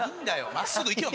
真っすぐいけよ！